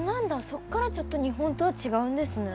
そっからちょっと日本とは違うんですね。